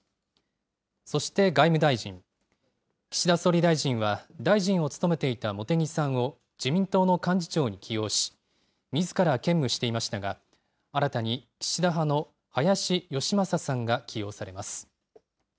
そして外務大臣、岸田総理大臣は、大臣を務めていた茂木さんを自民党の幹事長に起用し、みずから兼務していましたが、新たに岸田派の林芳正さんが起用されます。